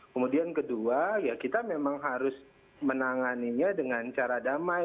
kemudian kedua ya kita memang harus menanganinya dengan cara damai